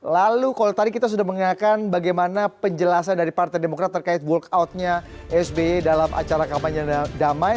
lalu kalau tadi kita sudah mengingatkan bagaimana penjelasan dari partai demokrat terkait walkoutnya sby dalam acara kampanye damai